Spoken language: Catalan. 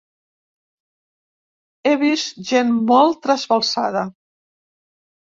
He vist gent molt trasbalsada.